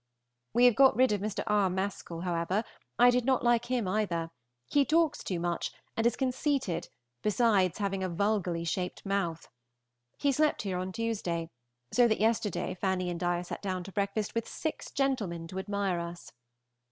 We have got rid of Mr. R. Mascall, however. I did not like him, either. He talks too much, and is conceited, besides having a vulgarly shaped mouth. He slept here on Tuesday, so that yesterday Fanny and I sat down to breakfast with six gentlemen to admire us.